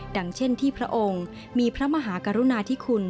ดังเช่นที่พระองค์มีพระมหากรุณาธิคุณ